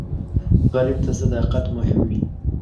غریب ته صداقت مهم وي